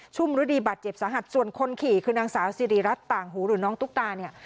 ุ่มฤดีบาดเจ็บสาหัสส่วนคนขี่คือนางสาวสิริรัตน์ต่างหูหรือน้องตุ๊กตาเนี่ย